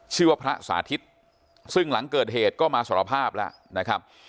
ชื่อว่าพระสาธิตซึ่งหลังเกิดเหตุก็มาสารภาพแล้วนะครับ